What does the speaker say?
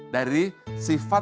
dari robot yang berpengalaman